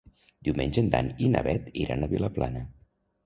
Diumenge en Dan i na Bet iran a Vilaplana.